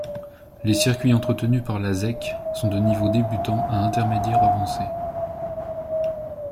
Ces circuits entretenus par la zec, sont de niveau débutant à intermédiaire avancé.